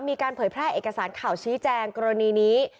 เผยแพร่เอกสารข่าวชี้แจงกรณีนี้